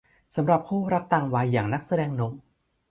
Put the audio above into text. สำหรับคู่รักต่างวัยอย่างนักแสดงหนุ่ม